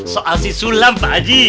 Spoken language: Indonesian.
soal si sulam pak aji